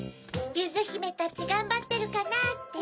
「ゆずひめたちがんばってるかな」って？